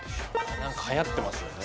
何かはやってますよね